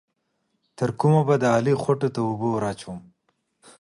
تر کومه به د علي خوټو ته اوبه ور اچوم؟